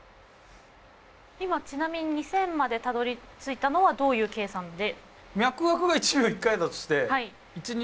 今ちなみに２０００までたどりついたのはどういう計算で？